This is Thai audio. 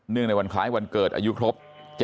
เนื่องในวันขายวันเกิดอายุครบ